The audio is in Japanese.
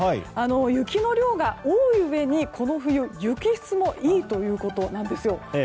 雪の量が多いうえにこの冬、雪質もいいということなんですよ。